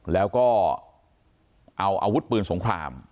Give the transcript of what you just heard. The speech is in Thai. แล้วก็เอาอาวุธปืนสงคราม